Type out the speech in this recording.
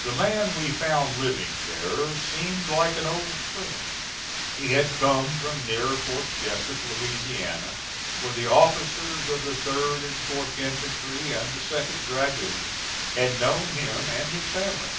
The man we found living there seemed like an old friend; he had come from near Fort Jessup, Louisiana, where the officers of the 3d and 4th infantry and the 2d dragoons had known him and his family.